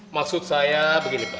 maksud saya begini pak